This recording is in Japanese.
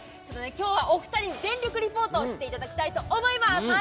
今日はお二人に全力リポートをしていただきたいと思います。